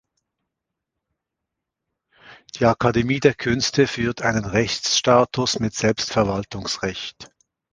Die Akademie der Künste führt einen Rechtsstatus mit Selbstverwaltungsrecht.